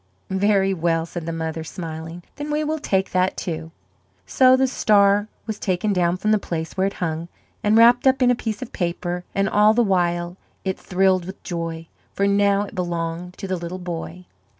"Very well," said the mother, smiling; "then we will take that, too." So the star was taken down from the place where it hung and wrapped up in a piece of paper, and all the while it thrilled with joy, for now it belonged to the little boy.